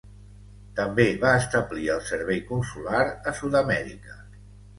També va establir el servei consular a Sud-amèrica.